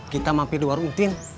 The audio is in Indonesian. kita mampir dua rutin